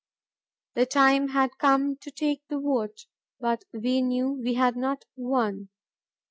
The time had come to take the vote, but we knew we had not won.